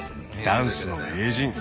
ダンスの名人。